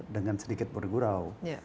dengan sedikit bergurau